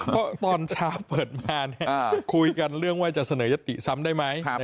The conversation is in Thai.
เพราะตอนเช้าเปิดมาคุยกันเรื่องว่าจะเสนอยติซ้ำได้ไหม